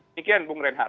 demikian bung renhar